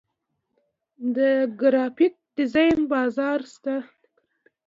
د ګرافیک ډیزاین بازار شته